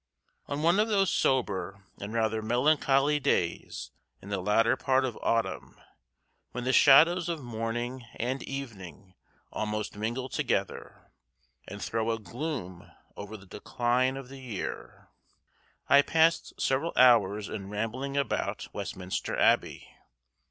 ON one of those sober and rather melancholy days in the latter part of autumn when the shadows of morning and evening almost mingle together, and throw a gloom over the decline of the year, I passed several hours in rambling about Westminster Abbey.